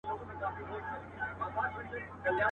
مجبورۍ پر خپل عمل کړلې پښېمانه.